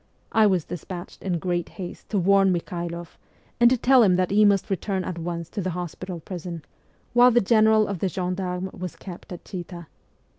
I was despatched in great haste to warn Mikhailoff, and to tell him that he must return at once to the hospital prison, while the General of the gendarmes was kept at Chita.